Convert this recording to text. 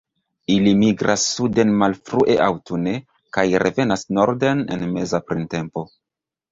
Ili migras suden malfrue aŭtune, kaj revenas norden en meza printempo.